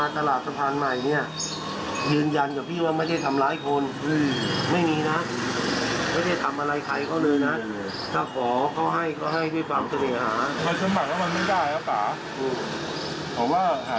เดี๋ยวพี่จีนจะให้ร้อยมึงให้ถ่ายให้ชิ้นข้าว